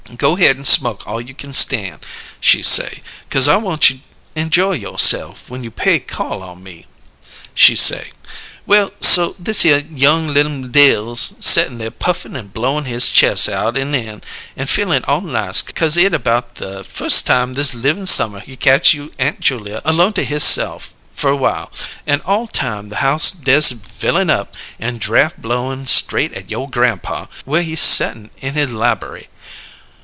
'Go 'head an' smoke all you kin stan',' she say, ''cause I want you injoy you'se'f when you pay call on me,' she say. Well, so thishere young li'l Dills settin' there puffin' an' blowin' his ches' out and in, an' feelin' all nice 'cause it about the firs' time this livin' summer he catch you' Aunt Julia alone to hisse'f fer while an' all time the house dess fillin' up, an' draf' blowin' straight at you' grampaw whur he settin' in his liberry.